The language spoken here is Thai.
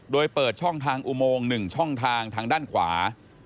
โดยเปิดช่องทางอุโมง๑ช่องทางทางด้านขวา